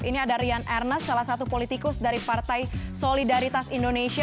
ini ada rian ernest salah satu politikus dari partai solidaritas indonesia